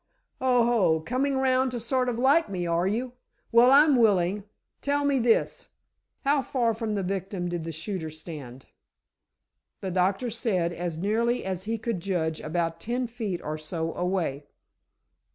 "Oho, coming round to sort of like me, are you? Well, I'm willing. Tell me this: how far from the victim did the shooter stand?" "The doctor said, as nearly as he could judge, about ten feet or so away."